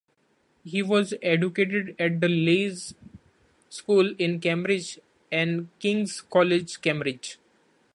He was educated at The Leys School in Cambridge and King's College, Cambridge.